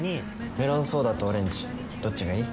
「メロンソーダとオレンジどっちがいい？」